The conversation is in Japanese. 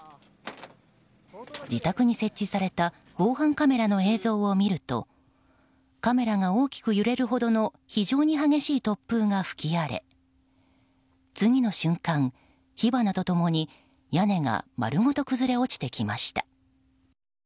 自宅に設置された防犯カメラの映像を見るとカメラが大きく揺れるほどの非常に激しい突風が吹き荒れ次の瞬間、火花と共に屋根が丸ごと崩れ落ちてきました。